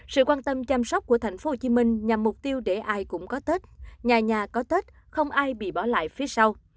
sự quan tâm chăm sóc của thành phố hồ chí minh nhằm mục tiêu để ai cũng có tết nhà nhà có tết không ai bị bỏ lại phía sau